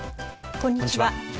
こんにちは。